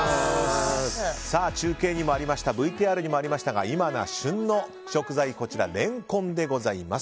中継にもありましたＶＴＲにもありましたが今が旬の食材レンコンでございます。